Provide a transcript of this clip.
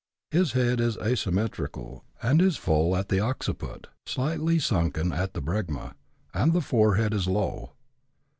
His head is asymmetrical, and is full at the occiput, slightly sunken at the bregma, and the forehead is low.